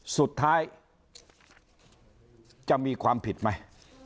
สุดท้ายจะมีความผิดไหม